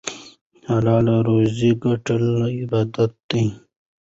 حلاله روزي ګټل عبادت دی.